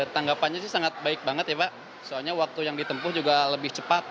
tanggapannya sih sangat baik banget ya pak soalnya waktu yang ditempuh juga lebih cepat